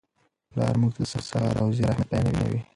پلار موږ ته د سخت کار او زیار اهمیت بیانوي.